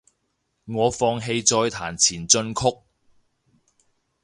我放棄再彈前進曲